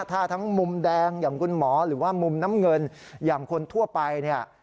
ถ้าทั้งมุมแดงอย่างคุณหมอหรือว่ามุมน้ำเงินอย่างคนทั่วไปเนี่ย